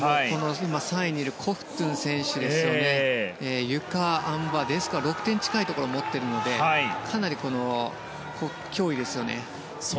３位にいるコフトゥン選手ゆか、あん馬Ｄスコア６点近いところを持っているのでかなり脅威ですよね。